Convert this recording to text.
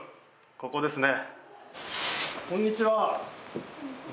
ここですね。